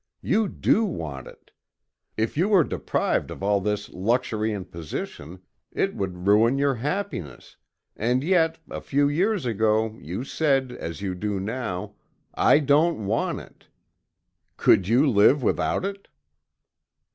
You do want it. If you were deprived of all this luxury and position, it would ruin your happiness and yet, a few years ago you said as you do now 'I don't want it.' Could you live without it?"